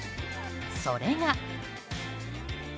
それが。